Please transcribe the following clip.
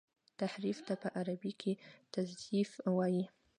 تحريف ته په عربي کي تزييف وايي.